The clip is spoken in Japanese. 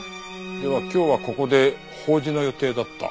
では今日はここで法事の予定だった？